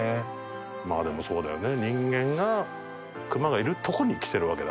まあでもそうだよね。